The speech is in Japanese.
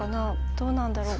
どうなんだろう。